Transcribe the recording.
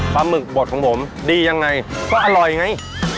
หมึกบดของผมดียังไงก็อร่อยไง